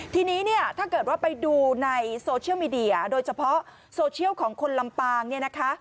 ทีนี้เนี่ยถ้าเกิดว่าไปดูในโซเชียลมีเดียโดยเฉพาะโซเชียลของคนลำปางเนี่ยนะคะ